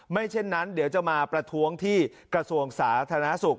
เช่นนั้นเดี๋ยวจะมาประท้วงที่กระทรวงสาธารณสุข